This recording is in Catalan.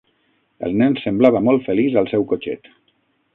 El nen semblava molt feliç al seu cotxet